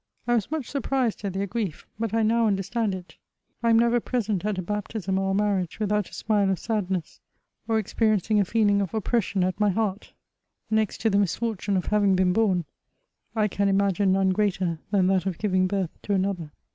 I was much surprised at their grief ; but I now understand it. I am never present at a bap tism or a marriage, without a smile of sadness, or experiencing a feeling of oppression at mj heart. Next to the misfortune of having been born, I can imagine none greater than that of giving birth to another.